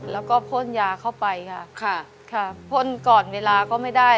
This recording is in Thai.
แล้วก็พ่นยาเข้าไปค่ะค่ะพ่นก่อนเวลาก็ไม่ได้